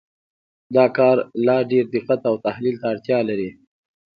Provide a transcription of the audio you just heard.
دا کار لا ډېر دقت او تحلیل ته اړتیا لري.